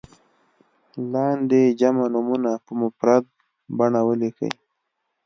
لاندې جمع نومونه په مفرد بڼه ولیکئ.